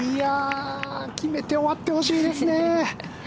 決めて終わってほしいですね。